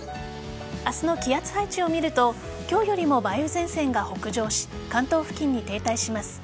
明日の気圧配置を見ると今日よりも梅雨前線が北上し関東付近に停滞します。